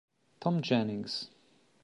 Tom Jennings